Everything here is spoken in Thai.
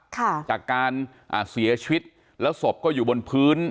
ค่ะจากการอ่าเสียชีวิตแล้วศพก็อยู่บนพื้น